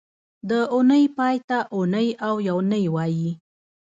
د اونۍ پای ته اونۍ او یونۍ وایي